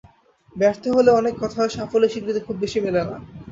ব্যর্থ হলে অনেক কথা হয়, সাফল্যের স্বীকৃতি খুব বেশি মেলে না।